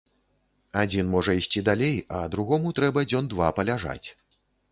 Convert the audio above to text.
Адзін можа ісці далей, а другому трэба дзён два паляжаць.